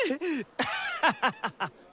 ハハハハハ！